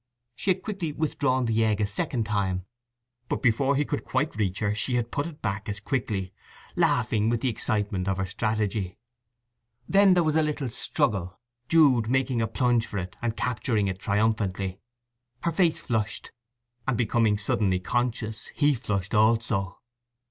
She had quickly withdrawn the egg a second time; but before he could quite reach her she had put it back as quickly, laughing with the excitement of her strategy. Then there was a little struggle, Jude making a plunge for it and capturing it triumphantly. Her face flushed; and becoming suddenly conscious he flushed also.